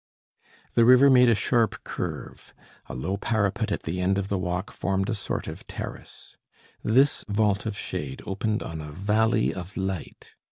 The river made a sharp curve; a low parapet at the end of the walk formed a sort of terrace. This vault of shade opened on a valley of light.